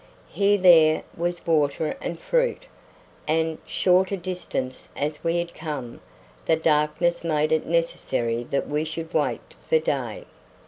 Here there was water and fruit, and, short a distance as we had come, the darkness made it necessary that we should wait for day.